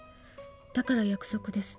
「だから約束です